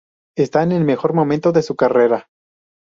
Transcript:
Está en el mejor momento de su carrera.